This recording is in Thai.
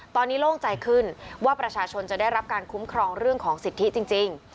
ตอนนี้โล่งใจขึ้นว่าประชาชนจะได้รับการคุ้มครองเรื่องของสิทธิจริง